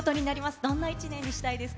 どんな一年にしたいですか？